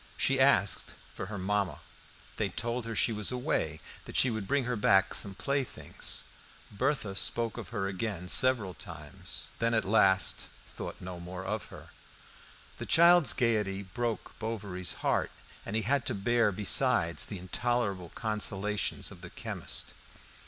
She asked for her mamma. They told her she was away; that she would bring her back some playthings. Berthe spoke of her again several times, then at last thought no more of her. The child's gaiety broke Bovary's heart, and he had to bear besides the intolerable consolations of the chemist.